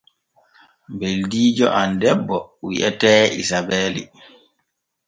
Ɓeldiijo am debbo wi’etee Isabeeli.